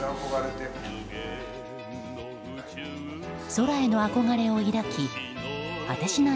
空への憧れを抱き果てしない